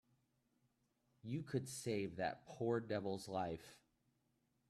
You could save that poor devil's life.